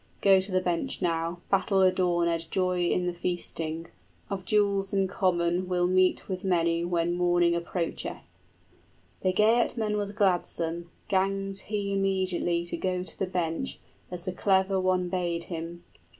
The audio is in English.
Go to the bench now, battle adornèd Joy in the feasting: of jewels in common We'll meet with many when morning appeareth." 40 The Geatman was gladsome, ganged he immediately To go to the bench, as the clever one bade him.